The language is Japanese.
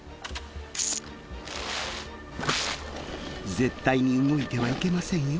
絶対に動いてはいけませんよ